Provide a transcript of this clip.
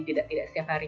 tidak setiap hari